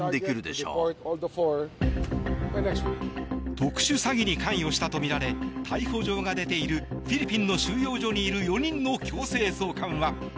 特殊詐欺に関与したとみられ逮捕状が出ているフィリピンの収容所にいる４人の強制送還は。